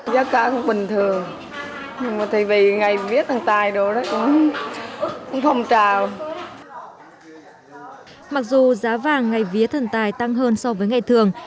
mặc giá vàng ngày vía thần tài tăng hơn so với ngày thường